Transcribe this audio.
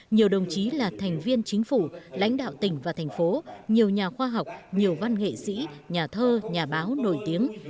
nhiều đồng chí là thành viên chính phủ lãnh đạo tỉnh và thành phố nhiều nhà khoa học nhiều văn nghệ sĩ nhà thơ nhà báo nổi tiếng